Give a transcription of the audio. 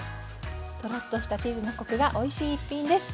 トロッとしたチーズのコクがおいしい一品です。